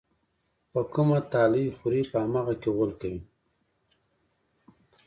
په کومه تالې خوري، په هماغه کې غول کوي.